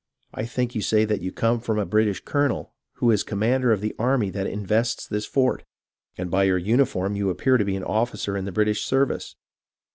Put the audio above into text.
* I think you say that you come from a Brit ish colonel who is commander of the army that invests this fort ; and by your uniform you appear to be an officer in the British service.